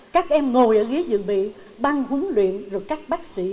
các em ngồi ở ghế dự bị ban huấn luyện rồi các bác sĩ